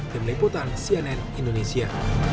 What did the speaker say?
tim liputan cnn indonesia